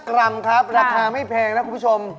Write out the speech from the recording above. กรัมครับราคาไม่แพงนะคุณผู้ชม